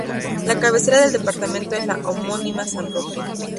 La cabecera del departamento es la homónima San Roque.